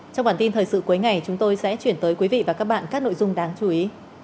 trong bản tin thời sự cuối ngày chúng tôi sẽ chuyển tới quý vị và các bạn các nội dung đáng chú ý